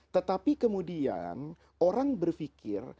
tetapi kemudian orang berfikir